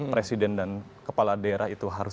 presiden dan kepala daerah itu harus